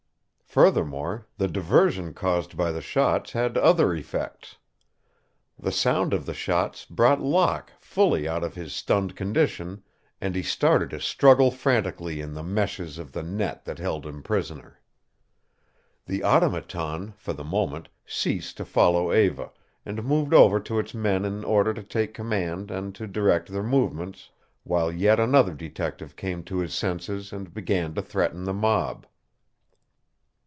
Furthermore, the diversion caused by the shots had other effects. The sound of the shots brought Locke fully out of his stunned condition and he started to struggle frantically in the meshes of the net that held him prisoner. The Automaton, for the moment, ceased to follow Eva, and moved over to its men in order to take command and to direct their movements, while yet another detective came to his senses and began to threaten the mob.